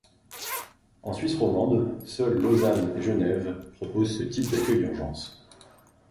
En Suisse romande, seules Lausanne et Genève proposent ce type d’accueil d’urgence.